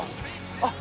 あっ。